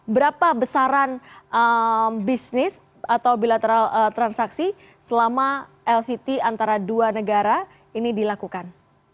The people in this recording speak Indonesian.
berapa besaran bisnis atau bilateral transaksi selama lct antara dua negara ini dilakukan